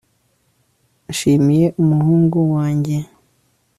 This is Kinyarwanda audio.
nishimiye umuhungu wanjye